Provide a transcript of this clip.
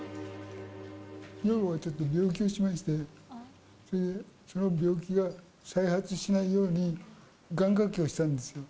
女房がちょっと病気をしまして、それでその病気が再発しないように願掛けをしたんですよ。